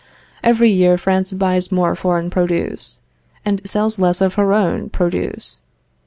Every year France buys more foreign produce, and sells less of its own produce.